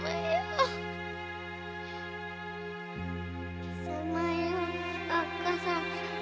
〔寒いよおっかさん〕